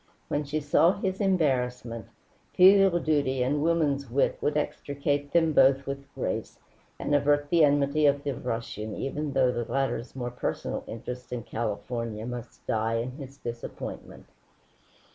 When she saw his embarrassment, filial duty and woman's wit would extricate them both with grace and avert the enmity of the Russian even though the latter's more personal interest in California must die in his disappointment.